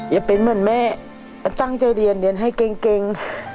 อย่าเป็นเหมือนแม่ตั้งใจเรียนเรียนให้เก่ง